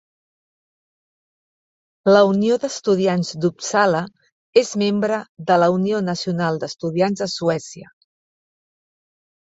La Unió d'Estudiants d'Uppsala és membre de la Unió Nacional d'Estudiants de Suècia.